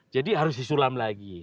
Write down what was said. jadi harus disulam lagi